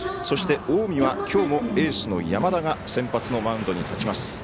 そして、近江はきょうもエースの山田が先発のマウンドに立ちます。